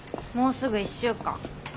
もうすぐ１週間。